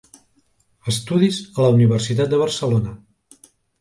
Estudis a la Universitat de Barcelona.